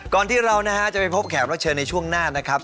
ที่เรานะฮะจะไปพบแขกรับเชิญในช่วงหน้านะครับ